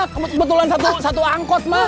kebetulan satu angkot mak